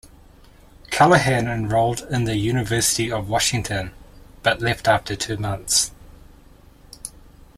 Callahan enrolled in the University of Washington, but left after two months.